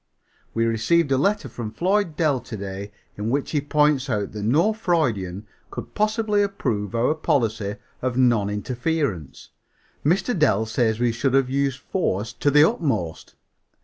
We received a letter from Floyd Dell to day in which he points out that no Freudian could possibly approve our policy of non interference. Mr. Dell says we should have used force to the utmost.